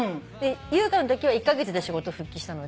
優香のときは１カ月で仕事復帰したので。